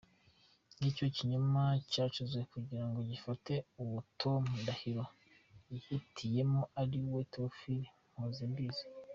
Ngicyo ikinyoma cyacuzwe kugira ngo gifate uwo Tom Ndahiro yihitiyemo ari we Théophile Mpozembizi.